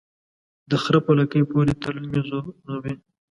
د خره په لکۍ پوري تړل مې زوروي.